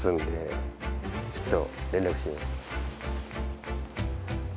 ちょっと連絡してみます。